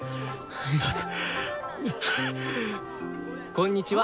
こんにちは。